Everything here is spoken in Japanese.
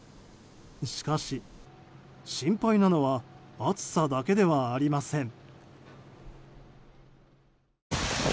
しかし、心配なのは暑さだけではありません。